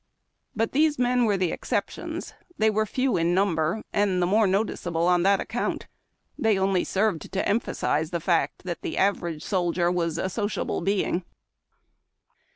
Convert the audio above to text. But these men were the exceptions. They were few in number, and the more noticeable on that account. They only served to emphasize the fact that the average soldier was a sociable being.